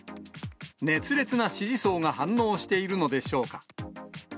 熱烈な支持層が反応しているのでしょうか。